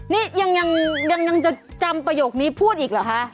นี่ยังจะจำประโยคนี้พูดอีกเหรอคะ